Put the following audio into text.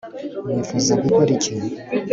wifuza gukora iki